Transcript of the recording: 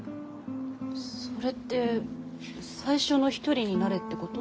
それって最初の一人になれってこと？